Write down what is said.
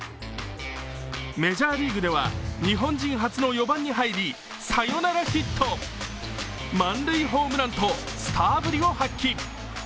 メジャーリーグでは日本人初の４番に入りサヨナラヒット、満塁ホームランとスターぶりを発揮。